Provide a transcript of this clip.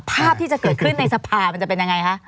ภาพที่จะเกิดขึ้นในสภามันจะเป็นยังไงคะ